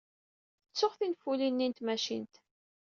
Ttuɣ tinfulin-nni n tmacint.